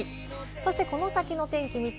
そして、この先の天気です。